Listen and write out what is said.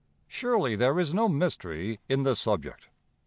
"Surely there is no mystery in this subject.